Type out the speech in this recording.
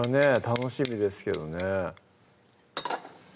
楽しみですけどね